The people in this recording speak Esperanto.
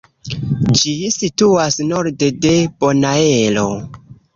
Ĝi situas norde de Bonaero.